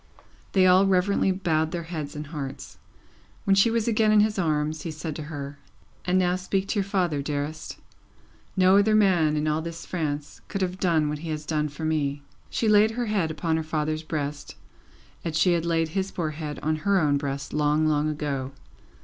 They all reverently bowed their heads and hearts. When she was again in his arms, he said to her: "And now speak to your father, dearest. No other man in all this France could have done what he has done for me." She laid her head upon her father's breast, as she had laid his poor head on her own breast, long, long ago.